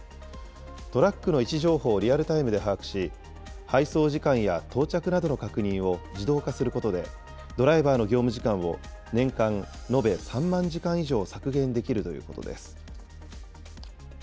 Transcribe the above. トラックの位置情報をリアルタイムで把握し、配送時間や到着などの確認を自動化することで、ドライバーの業務時間を年間延べ３万時間以上削減できるということです。